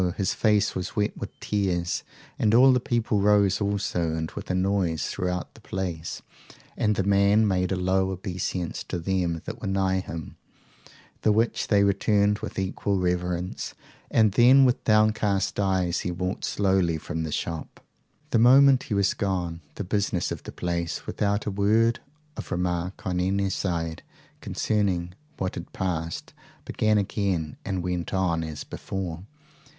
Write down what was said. his face was wet with tears; and all the people rose also, and with a noise throughout the place; and the man made a low obeisance to them that were nigh him, the which they returned with equal reverence, and then with downcast eyes he walked slowly from the shop. The moment he was gone, the business of the place, without a word of remark on any side concerning what had passed, began again and went on as before.